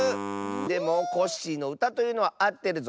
でもコッシーのうたというのはあってるぞよ。